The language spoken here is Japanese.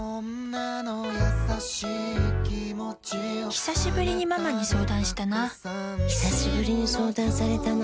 ひさしぶりにママに相談したなひさしぶりに相談されたな